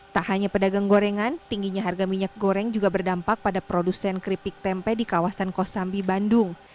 tak hanya pedagang gorengan tingginya harga minyak goreng juga berdampak pada produsen keripik tempe di kawasan kosambi bandung